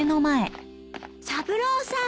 三郎さん。